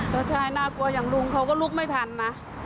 ก็ใช่น่ากลัวอย่างลุงเขาก็ลุกไม่ทันนะ